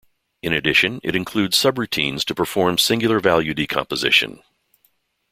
In addition it includes subroutines to perform a singular value decomposition.